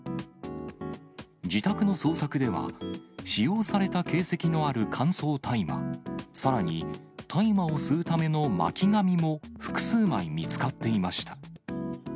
自宅の捜索では、使用された形跡のある乾燥大麻、さらに大麻を吸うための巻紙も複数枚、見つかっていました。